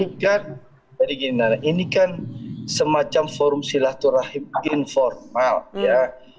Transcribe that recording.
nah ini kan jadi gini nana ini kan semacam forum silaturahim informal ya